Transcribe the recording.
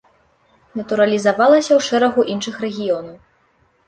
Натуралізавалася ў шэрагу іншых рэгіёнаў.